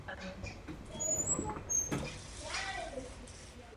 Tuto záležitost jsme nepřehlédli.